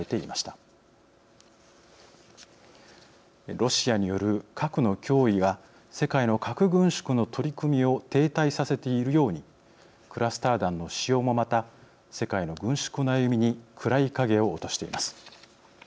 ロシアによる核の脅威が世界の核軍縮の取り組みを停滞させているようにクラスター弾の使用もまた世界の軍縮の歩みに暗い影を落としています。